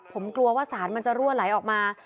ผมกลัวว่าสารมันจะรั่วไหลออกมา